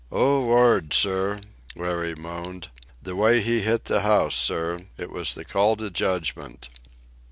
"Oh, Lord, sir!" Larry moaned. "The way he hit the house, sir. It was the call to Judgment."